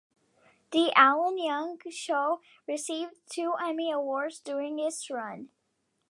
"The Alan Young Show" received two Emmy Awards during its run.